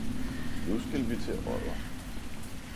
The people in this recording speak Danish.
Nu skal vi til Odder